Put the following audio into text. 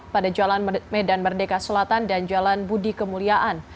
pada jalan medan merdeka selatan dan jalan budi kemuliaan